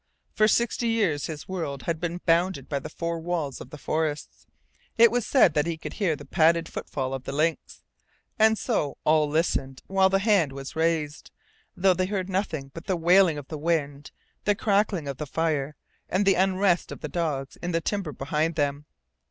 For sixty years his world had been bounded by the four walls of the forests. It was said that he could hear the padded footfall of the lynx and so all listened while the hand was raised, though they heard nothing but the wailing of the wind, the crackling of the fire, and the unrest of the dogs in the timber behind them.